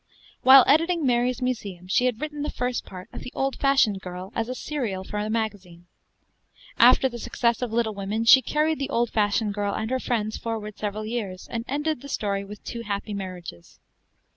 While editing Merry's Museum, she had written the first part of 'The Old Fashioned Girl' as a serial for the magazine. After the success of 'Little Women,' she carried the 'Old Fashioned Girl' and her friends forward several years, and ended the story with two happy marriages.